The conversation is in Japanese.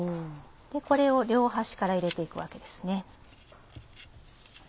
これを両端から入れて行くわけですね。